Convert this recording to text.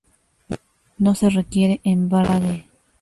No se requiere embrague.